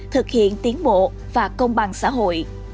thực hiện tiến bộ và công bằng xã hội